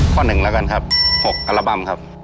ข้อ๑แล้วกันครับ๖อาระบัมครับ